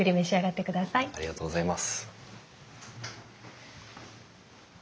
ありがとうございます。